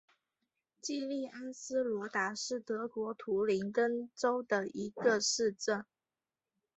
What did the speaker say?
基利安斯罗达是德国图林根州的一个市镇。